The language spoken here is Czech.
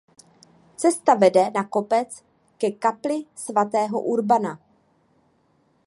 Cesta vede na kopec ke kapli Svatého Urbana.